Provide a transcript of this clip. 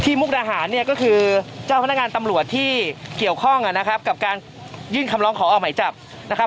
มุกดาหารเนี่ยก็คือเจ้าพนักงานตำรวจที่เกี่ยวข้องนะครับกับการยื่นคำร้องขอออกหมายจับนะครับ